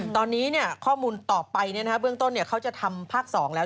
ตอนนี้ข้อมูลต่อไปเนี่ยนะครับเบื้องต้นเขาจะทำภาค๒แล้ว